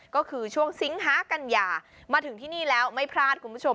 ก็คือช่วงสิงหากัญญามาถึงที่นี่แล้วไม่พลาดคุณผู้ชม